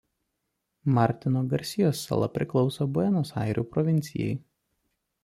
Martino Garsijos sala priklauso Buenos Airių provincijai.